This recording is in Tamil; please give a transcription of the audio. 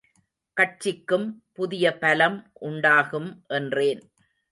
கட்சிக்கும் புதிய பலம் உண்டாகும் என்றேன்.